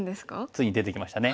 ついに出てきましたね。